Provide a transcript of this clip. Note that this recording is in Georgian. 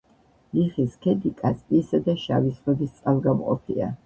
ლიხის ქედი კასპიისა და შავი ზღვების წყალგამყოფია.